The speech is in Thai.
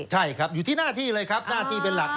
ใช่ครับอยู่ที่หน้าที่เลยครับหน้าที่เป็นหลัก